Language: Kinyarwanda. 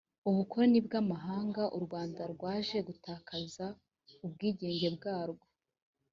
ubukoloni bw‘amahanga u rwanda rwaje gutakaza ubwigenge bwarwo